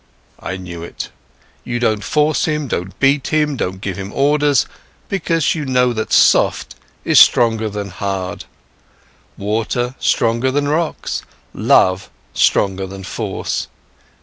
"I knew it. You don't force him, don't beat him, don't give him orders, because you know that 'soft' is stronger than 'hard', water stronger than rocks, love stronger than force.